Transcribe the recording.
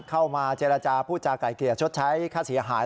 เข้ามาเจรจาพูดจาก่าเกลี่ยชดใช้ค่าเสียหาย